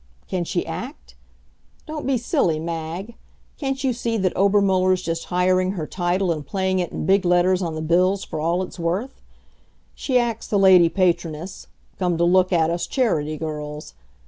Can she act? Don't be silly, Mag! Can't you see that Obermuller's just hiring her title and playing it in big letters on the bills for all it's worth? She acts the Lady Patroness, come to look at us Charity girls.